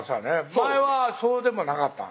前はそうでもなかったん？